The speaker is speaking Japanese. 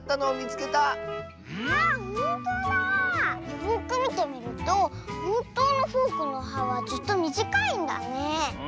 よくみてみるとほんとうのフォークの「は」はずっとみじかいんだねえ。